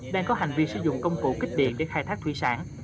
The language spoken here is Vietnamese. đang có hành vi sử dụng công cụ kích điện để khai thác thủy sản